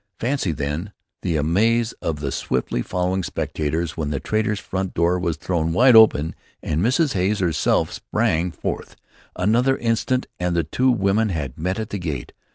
Fancy, then, the amaze of the swiftly following spectators when the trader's front door was thrown wide open and Mrs. Hay herself sprang forth. Another instant and the two women had met at the gate.